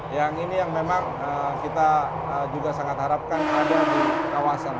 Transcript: yang ini yang memang kita juga sangat harapkan ada di kawasan